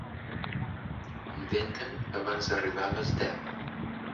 Inventen abans d'arribar a les deu.